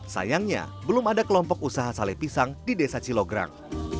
sayangnya belum ada kelompok usaha sale pisang di desa cilograng